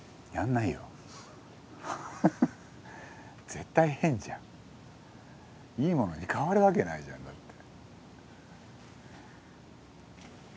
絶対変じゃん。いいものに変わるわけないじゃんだって。